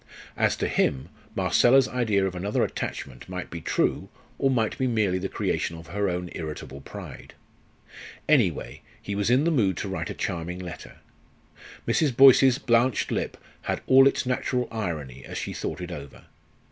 As to him, Marcella's idea of another attachment might be true, or might be merely the creation of her own irritable pride. Anyway, he was in the mood to write a charming letter. Mrs. Boyce's blanched lip had all its natural irony as she thought it over.